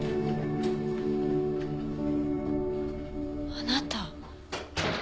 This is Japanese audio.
あなた。